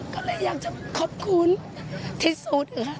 ก็เลยอยากจะขอบคุณที่สุดค่ะ